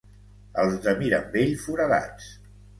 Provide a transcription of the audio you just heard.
Els de Mirambell, foradats.